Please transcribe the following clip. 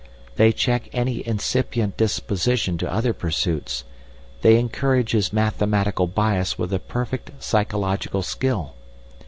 They check any incipient disposition to other pursuits, they encourage his mathematical bias with a perfect psychological skill.